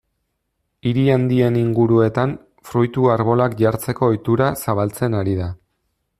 Hiri handien inguruetan fruitu arbolak jartzeko ohitura zabaltzen ari da.